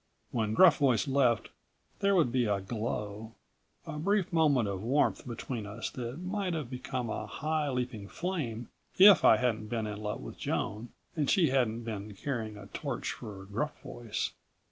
When Gruff Voice left there would be a glow, a brief moment of warmth between us that might have become a high leaping flame if I hadn't been in love with Joan and she hadn't been carrying a torch for Gruff Voice.